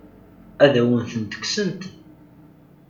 Ad awen-tent-kksent?